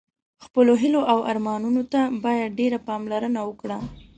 خپلو هیلو او ارمانونو ته باید ډېره پاملرنه وکړه.